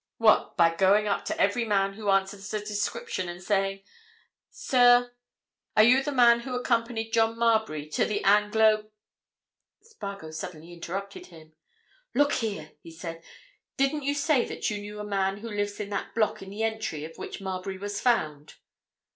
"What?—by going up to every man who answers the description, and saying 'Sir, are you the man who accompanied John Marbury to the Anglo——" Spargo suddenly interrupted him. "Look here!" he said. "Didn't you say that you knew a man who lives in that block in the entry of which Marbury was found?"